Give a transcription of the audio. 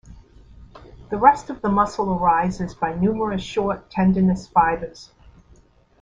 The rest of the muscle arises by numerous short tendinous fibers.